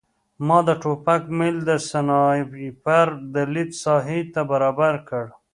ما د ټوپک میل د سنایپر د لید ساحې ته برابر کړ